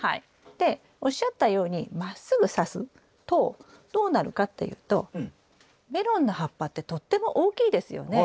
でおっしゃったようにまっすぐさすとどうなるかっていうとメロンの葉っぱってとっても大きいですよね。